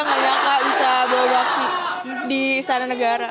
menyangka bisa bawa baki di sana negara